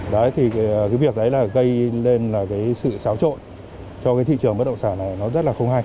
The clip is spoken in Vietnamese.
đấy thì cái việc đấy là gây nên là cái sự xáo trộn cho cái thị trường bất động sản này nó rất là không hay